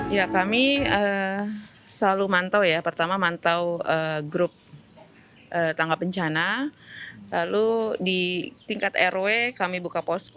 ya kami selalu mantau ya pertama mantau grup tangga pencana lalu di tingkat rw kami buka posko